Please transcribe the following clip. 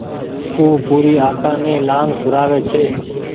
او پوري آڪآ ني لآن کورآوي ڇي